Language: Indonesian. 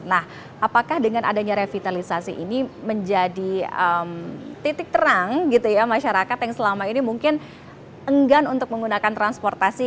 nah apakah dengan adanya revitalisasi ini menjadi titik terang gitu ya masyarakat yang selama ini mungkin enggan untuk menggunakan transportasi